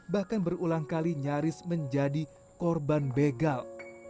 bahkan berulang kali nyaris menjadi korban begal